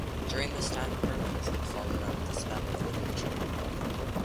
During this time Hermans had fallen under the spell of literature.